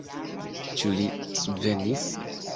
Ĉu li svenis?